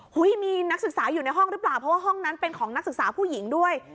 มีนักศึกษาอยู่ในห้องหรือเปล่าเพราะว่าห้องนั้นเป็นของนักศึกษาผู้หญิงด้วย